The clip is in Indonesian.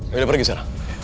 gue udah pergi sekarang